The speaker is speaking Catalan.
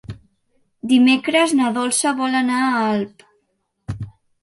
Dimecres na Dolça vol anar a Alp.